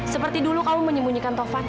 seperti dulu kamu menyembunyikan tovan